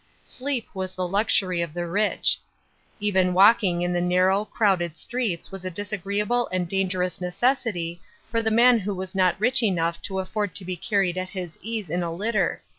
Slrep was the luxury of the rich.* Even walking in the narrow, crowded streets was a disagreeable and dangerous necessity lor the man who was not rich enough to afford to be carried at his ease in a litter (lectica).